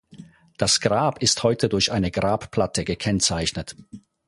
Das Grab ist heute durch eine Grabplatte gekennzeichnet.